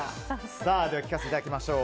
では聞かせていただきましょう。